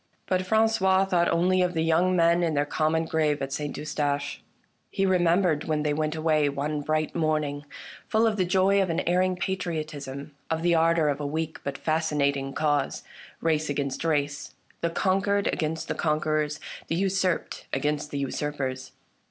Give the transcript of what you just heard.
But Franqois thought only of the young men in their common grave at St. Eustache. He remembered when they went away one bright morning, full of the joy of an erring patriotism, of the ardor of a weak but fascinating cause : race against race, the conquered against the conquerors, the usurped against the usurpers.